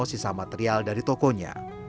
sisa material dari tokonya